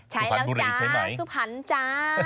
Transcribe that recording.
ใช่แล้วจ๊ะสุภัณฑ์จ๊ะพ่อแม่พี่น้องจ้ะ